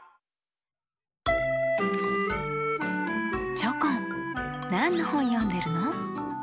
チョコンなんのほんよんでるの？